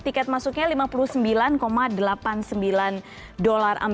tiket masuknya lima puluh sembilan delapan puluh sembilan